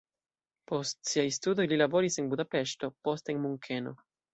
Post siaj studoj li laboris en Budapeŝto, poste en Munkeno.